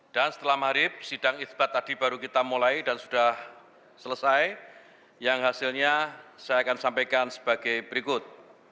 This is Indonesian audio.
dan setelah maharib sidang sebat tadi baru kita mulai dan sudah selesai yang hasilnya saya akan sampaikan sebagai berikut